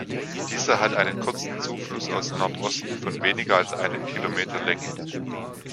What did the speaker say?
Dieser hat einen kurzen Zufluss aus Nordosten von weniger als einem Kilometer Länge.